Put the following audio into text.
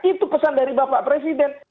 itu pesan dari bapak presiden